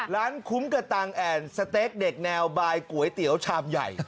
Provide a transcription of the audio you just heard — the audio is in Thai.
ร้านคุ้มกระตังแอ่นสเต็กเด็กแนวบายก๋วยเตี๋ยวชามใหญ่